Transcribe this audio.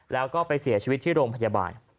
แล้วก็ไปเสียชีวิตที่โรงพยาบาล